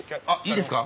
いいですか？